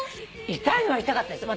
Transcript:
痛いのは痛かったです。